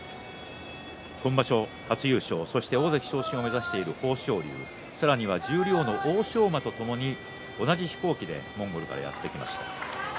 今場所、初優勝そして大関昇進を目指している豊昇龍、さらには十両の欧勝馬とともに同じ飛行機でモンゴルからやって来ました。